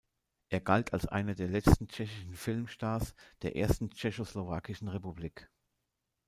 Er galt als einer der letzten tschechischen Filmstars der ersten Tschechoslowakischen Republik.